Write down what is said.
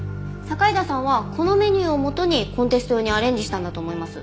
堺田さんはこのメニューを元にコンテスト用にアレンジしたんだと思います。